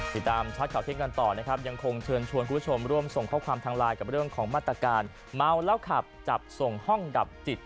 ช็อตข่าวเที่ยงกันต่อนะครับยังคงเชิญชวนคุณผู้ชมร่วมส่งข้อความทางไลน์กับเรื่องของมาตรการเมาแล้วขับจับส่งห้องดับจิต